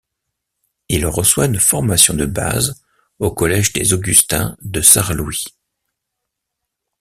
Il reçoit une formation de base au collège des Augustins de Sarrelouis.